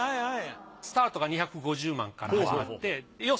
スタートが２５０万から始まって予想